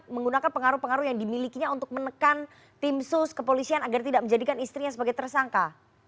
menggunakan pengaruh pengaruh yang dimilikinya untuk menekan tim sus kepolisian agar tidak menjadikan istrinya sebagai tersangka